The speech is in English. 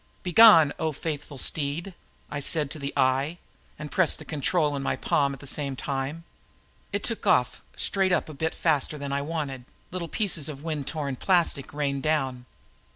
"Begone, O faithful steed," I said to the eye, and pressed the control in my palm at the same time. It took off straight up a bit faster than I wanted; little pieces of wind torn plastic rained down.